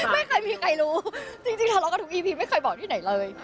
ไม่เคยมีใครรู้จริงทะเลาะกันทุกอีพีไม่เคยบอกที่ไหนเลย